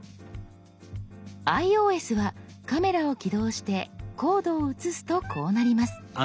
ｉＯＳはカメラを起動してコードを写すとこうなります。